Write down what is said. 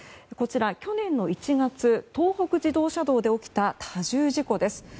こちら、去年の１月東北自動車道で起きた多重事故です。